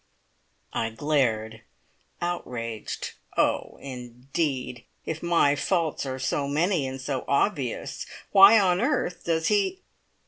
I glared, outraged. Oh, indeed! If my faults are so many and so obvious, why on earth does he